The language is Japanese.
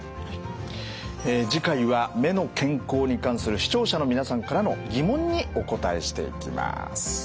え次回は目の健康に関する視聴者の皆さんからの疑問にお答えしていきます。